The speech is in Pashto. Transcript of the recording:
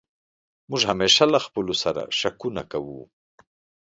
موږ همېشه له خپلو سر شکونه کوو.